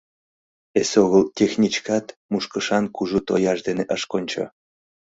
Эсогыл техничкат мушкышан кужу тояж дене ыш кончо.